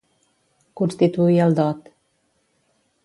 Constituir el dot.